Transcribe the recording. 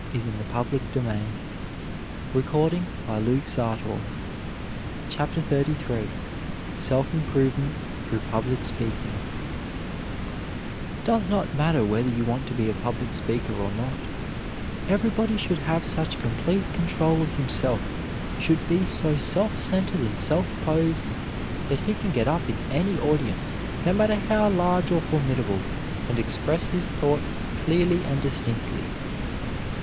[Illustration: Lincoln studying by the firelight] CHAPTER XXXIII SELF IMPROVEMENT THROUGH PUBLIC SPEAKING It does not matter whether you want to be a public speaker or not, everybody should have such complete control of himself, should be so self centered and self posed that he can get up in any audience, no matter how large or formidable, and express his thoughts clearly and distinctly.